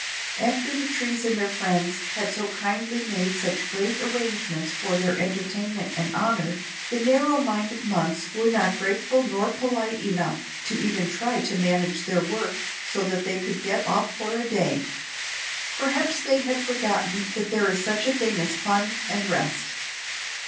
After the trees and their friends had so kindly made such great arrangements for their entertainment and honor, the narrow minded months were not grateful nor polite enough to even try to manage their work so that they could get off for a day. Perhaps they had forgotten that there is such a thing as fun and rest.